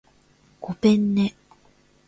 ごぺんね